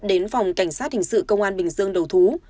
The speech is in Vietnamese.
đến phòng cảnh sát hình sự công an bình dương đầu thú